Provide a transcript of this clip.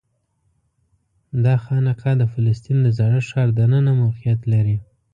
دا خانقاه د فلسطین د زاړه ښار دننه موقعیت لري.